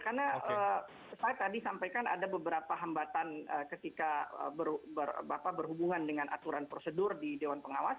karena saya tadi sampaikan ada beberapa hambatan ketika bapak berhubungan dengan aturan prosedur di dewan pengawas